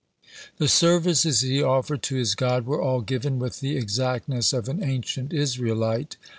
The services he offered to his God were all given with the exactness of an ancient Israelite.